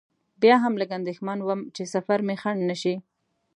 بیا هم لږ اندېښمن وم چې سفر مې خنډ نه شي.